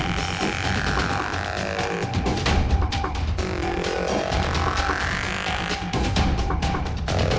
นี่คือยึด